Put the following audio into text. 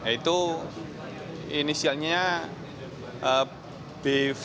itu inisialnya bv